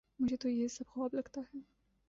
مجھے تو یہ سب خواب لگتا ہے